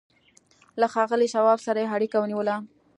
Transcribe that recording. له ښاغلي شواب سره يې اړيکه ونيوه.